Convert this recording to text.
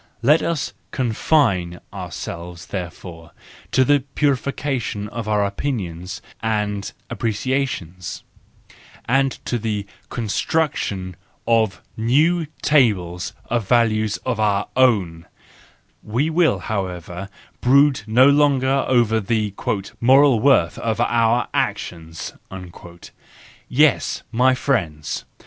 Let us confine ourselves, therefore, to the purification of our opinions and appreciations, and to the construction of new tables of value of our own :—we will, how¬ ever, brood no longer over the " moral worth of our actions"! Yes, my friends!